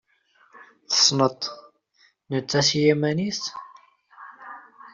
Tessneḍ-t netta s yiman-is?